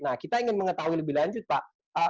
nah kita ingin mengetahui lebih lanjut pak